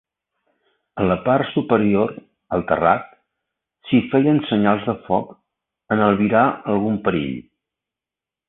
En la part superior, al terrat, s'hi feien senyals de foc en albirar algun perill.